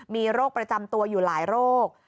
มีโรคประจำตัวอยู่หลายโรค